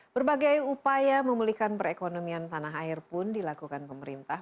berbagai upaya memulihkan perekonomian tanah air pun dilakukan pemerintah